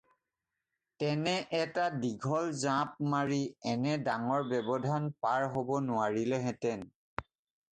তেনে এটা দীঘল জাঁপ মাৰি এনে ডাঙৰ ব্যৱধান পাৰ হ'ব নোৱাৰিলেহেঁতেন